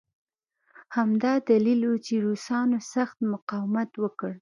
همدا دلیل و چې روسانو سخت مقاومت وکړ